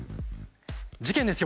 事件ですよ。